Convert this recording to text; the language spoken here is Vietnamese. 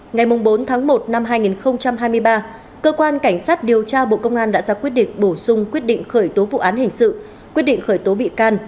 ngày bốn tháng một năm hai nghìn hai mươi ba cơ quan cảnh sát điều tra bộ công an đã ra quyết định bổ sung quyết định khởi tố vụ án hình sự quyết định khởi tố bị can